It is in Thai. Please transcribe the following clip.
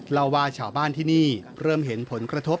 เล่าว่าชาวบ้านที่นี่เริ่มเห็นผลกระทบ